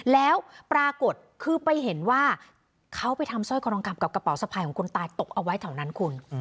แล้วปรากฏคือไปเห็นว่าเขาไปทำสร้อยคอทองคำกับกระเป๋าสะพายของคนตายตกเอาไว้แถวนั้นคุณ